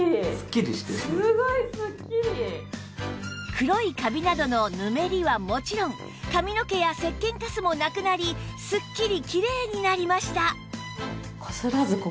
黒いカビなどのヌメリはもちろん髪の毛やせっけんカスもなくなりすっきりきれいになりました